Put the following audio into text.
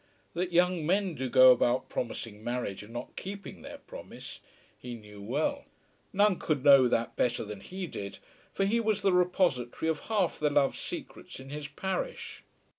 That young men do go about promising marriage and not keeping their promise, he knew well. None could know that better than he did, for he was the repository of half the love secrets in his parish.